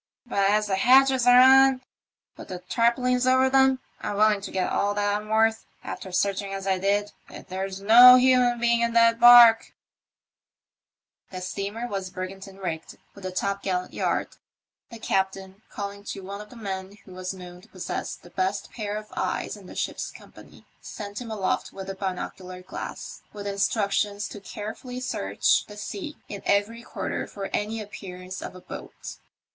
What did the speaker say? But as the hatches are on, with tar paulins over them, I'm willing to bet all that I'm worth, after searching as I did, that there's no human being in that barque." The steamer was brigantine rigged, with a topgallant THE MYSTERY OF TEE '* OCEAN STAB."* 11 yard. The captain, calling to one of the men who was known to possess the best pair of eyes in the ship's company, sent him aloft with a binocular glass with instructions to carefully search the sea in every quarter for any appearance of a boat.